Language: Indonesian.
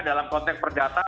dalam konteks perdata